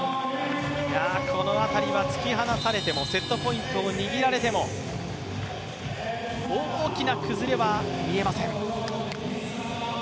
この辺りは突き放されてもセットポイントを握られても大きな崩れは見えません。